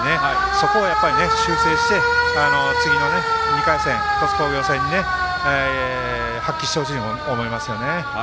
そこはやっぱり修正して次の２回戦、鳥栖工業戦に発揮してほしいと思いますね。